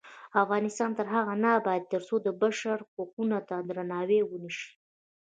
افغانستان تر هغو نه ابادیږي، ترڅو د بشر حقونو ته درناوی ونشي.